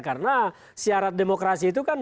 karena syarat demokrasi itu kan